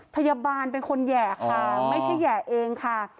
พยาบาลเป็นคนแห่ค่ะไม่ใช่แห่เองค่ะ